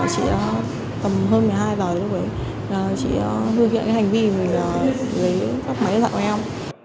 chị tầm hơn một mươi hai h lúc ấy chị vừa hiện cái hành vi mình gấp máy điện thoại của em